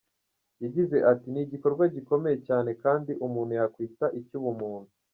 Yagize ati “Ni igikorwa gikomeye cyane kandi umuntu yakwita icy’ubumuntu.